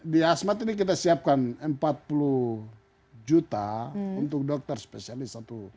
di asmat ini kita siapkan empat puluh juta untuk dokter spesialis